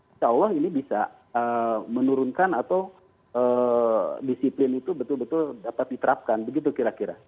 insya allah ini bisa menurunkan atau disiplin itu betul betul dapat diterapkan begitu kira kira